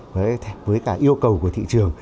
với cả yêu cầu của thị trường